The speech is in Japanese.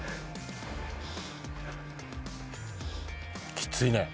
きついね。